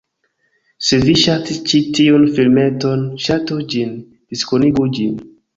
Se vi ŝatis ĉi tiun filmeton, ŝatu ĝin, diskonigu ĝin